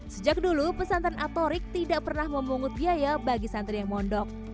sejak dulu pesantren atorik tidak pernah memungut biaya bagi santri yang mondok